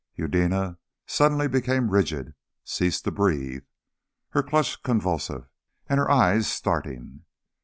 Eudena suddenly became rigid, ceased to breathe, her clutch convulsive, and her eyes starting.